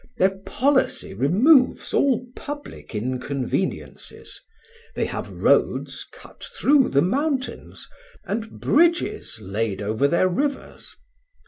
Their policy removes all public inconveniences; they have roads cut through the mountains, and bridges laid over their rivers.